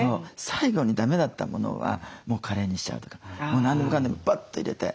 最後にだめだったものはもうカレーにしちゃうとかもう何でもかんでもバッと入れて。